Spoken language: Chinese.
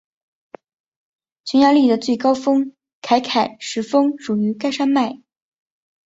匈牙利的最高峰凯凯什峰属于该山脉。